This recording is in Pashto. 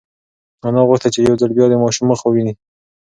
انا غوښتل چې یو ځل بیا د ماشوم مخ وویني.